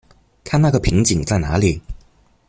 看那個瓶頸在哪裡